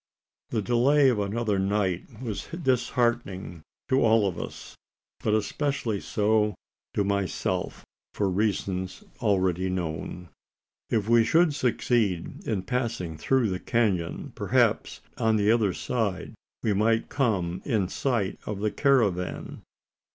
The delay of another night was disheartening to all of us but especially so to myself, for reasons already known. If we should succeed in passing through the canon, perhaps on the other side we might come in sight of the caravan?